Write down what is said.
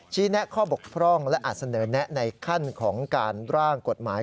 แนะข้อบกพร่องและอาจเสนอแนะในขั้นของการร่างกฎหมาย